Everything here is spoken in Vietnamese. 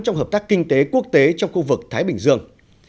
trong hợp tác kinh tế quốc tế trong khu vực thái bình dương